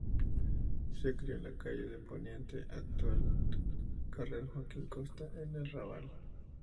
Se crio en la Calle de Poniente, actual Carrer Joaquín Costa, en el Raval.